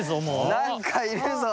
何かいるぞ。